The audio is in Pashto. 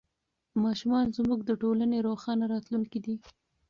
ماشومان زموږ د ټولنې روښانه راتلونکی دی.